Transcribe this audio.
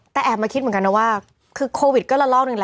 แต่แอบมาคิดเหมือนกันนะว่าเราคือคาร์วิตก็ละรอกนึงละ